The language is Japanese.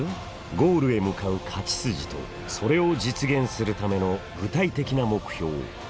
ゴールへ向かう勝ち筋とそれを実現するための具体的な目標ＫＰＩ。